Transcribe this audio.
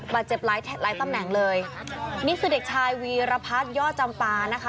เจ็บหลายหลายตำแหน่งเลยนี่คือเด็กชายวีรพัฒน์ย่อจำปานะคะ